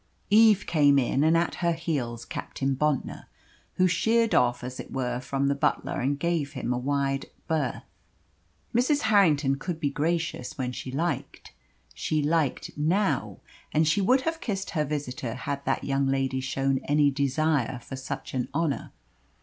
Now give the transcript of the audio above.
Eve came in, and at her heels Captain Bontnor, who sheered off as it were from the butler, and gave him a wide berth. Mrs. Harrington could be gracious when she liked. She liked now, and she would have kissed her visitor had that young lady shown any desire for such an honour.